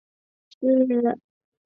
北魏太和十一年改为北安邑县。